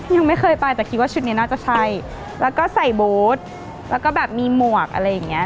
ยังไม่เคยไปแต่คิดว่าชุดนี้น่าจะใช่แล้วก็ใส่บูธแล้วก็แบบมีหมวกอะไรอย่างเงี้